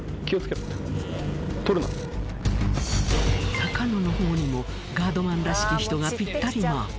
高野の方にもガードマンらしき人がぴったりマーク。